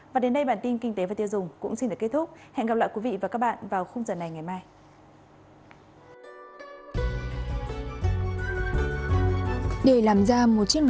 và đến đây bản tin kinh tế và tiêu dùng cũng xin được kết thúc hẹn gặp lại quý vị và các bạn vào khung giờ này ngày mai